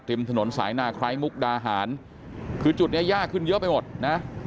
ถนนสายนาไคร้มุกดาหารคือจุดนี้ยากขึ้นเยอะไปหมดนะ